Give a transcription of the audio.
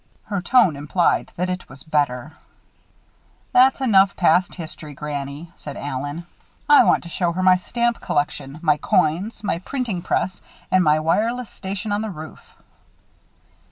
Her tone implied that it was better. "That's enough past history, granny," said Allen. "I want to show her my stamp collection, my coins, my printing press, and my wireless station on the roof."